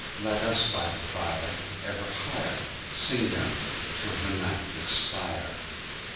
Let us by the fire Ever higherSing them till the night expire!